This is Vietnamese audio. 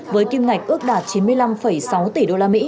với kim ngạch ước đạt chín mươi năm sáu tỷ usd